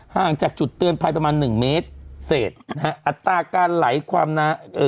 ห่างจากจุดเตือนภัยประมาณหนึ่งเมตรเศษนะฮะอัตราการไหลความนาเอ่อ